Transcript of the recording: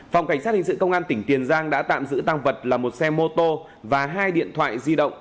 phòng cảnh sát hình sự công an tỉnh tiền giang đã tạm giữ tăng vật là một xe mô tô và hai điện thoại di động